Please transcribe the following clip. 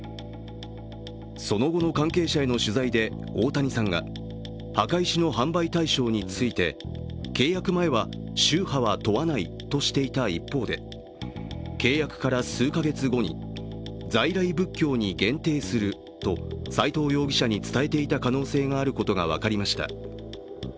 その後の関係者への取材で、大谷さんが墓石の販売対象について、契約前は宗派は問わないとしていた一方で、契約から数か月後に在来仏教に限定すると斉藤容疑者に伝えていた可能性があることが分かりました。